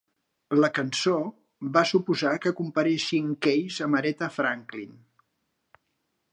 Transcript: La cançó va suposar que comparessin Keys amb Aretha Franklin.